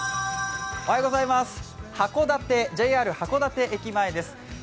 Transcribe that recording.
函館、ＪＲ函館駅前です。